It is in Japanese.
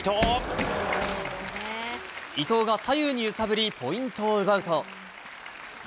伊藤が左右に揺さぶり、ポイントを奪うと。